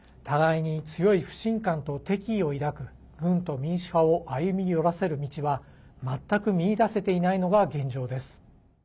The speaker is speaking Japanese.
互いに強い不信感と敵意を抱く軍と民主派を歩み寄らせる道は全く見出せていないのが現状です。